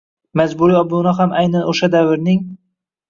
Majburiy obuna ham aynan o‘sha davrning –